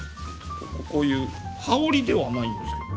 こういう羽織ではないんですけど。